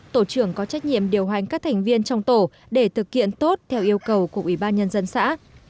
tổ trưởng có trách nhiệm điều hành các thành viên trong tổ để thực hiện tốt theo yêu cầu của ủy ban nhân dân xã